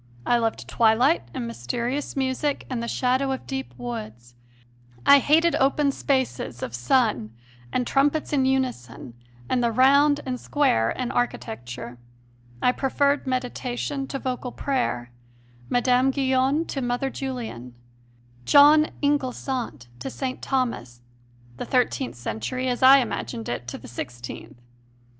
I loved twilight and mysterious music and the shadow of deep woods; I hated open spaces of sun and trumpets in unison and the round and square in architecture. I preferred meditation to vocal prayer, Mme. Guyon to Mother Julian, "John Inglesant" to St. Thomas, the thirteenth century as I imagined it to the sixteenth.